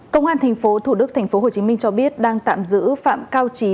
công an tp thủ đức tp hcm cho biết đang tạm giữ phạm cao trí